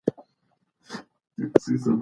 لویه ټولنپوهنه لوی سیستمونه مطالعه کوي.